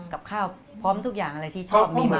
กับข้าวพร้อมทุกอย่างอะไรที่ชอบมีมา